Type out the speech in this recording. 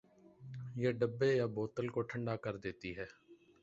یہ ڈبے یا بوتل کو ٹھنڈا کردیتی ہے۔